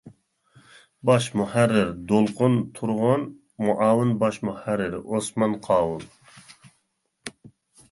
باش مۇھەررىر:دولقۇن تۇرغۇن، مۇئاۋىن باش مۇھەررىر: ئوسمان قاۋۇل.